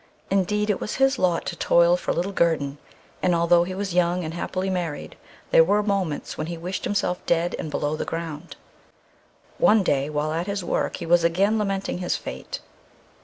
Indeed, it was his lot to toil for little guerdon, and although he was young and happily married there were moments when he wished himself dead and below ground. One day while at his work he was again lamenting his fate.